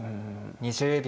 ２０秒。